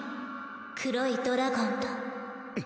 黒いドラゴンと。